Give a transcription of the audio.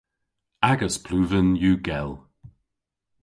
Agas pluven yw gell.